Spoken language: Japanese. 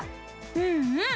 うんうん！